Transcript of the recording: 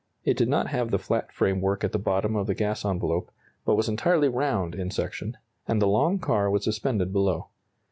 It did not have the flat framework at the bottom of the gas envelope, but was entirely round in section, and the long car was suspended below.